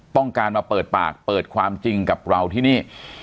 ต้องการมาเปิดปากเปิดความจริงกับเราที่นี่